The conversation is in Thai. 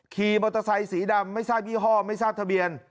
ขี่มอเตอร์ไซค์สีดำไม่ทราบยี่ห้อไม่ทราบทะเบียน